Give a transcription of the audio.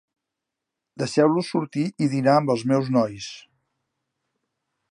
Deixeu-los sortir i dinar amb els meus nois.